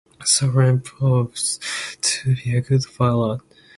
Soren proves to be a good pilot.